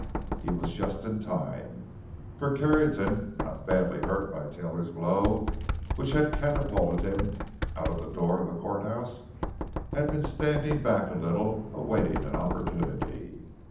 He was just in time. For Carrington, not badly hurt by Taylor's blow, which had catapulted him out of the door of the courthouse, had been standing back a little, awaiting an opportunity.